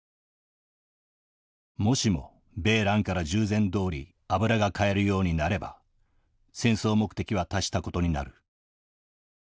もしも米蘭から従前どおり油が買えるようになれば戦争目的は達したことになる。